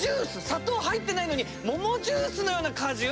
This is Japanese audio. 砂糖入ってないのに桃ジュースのような果汁。